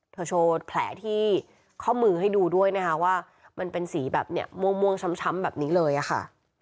โชว์แผลที่ข้อมือให้ดูด้วยนะคะว่ามันเป็นสีแบบเนี่ยม่วงช้ำแบบนี้เลยอะค่ะ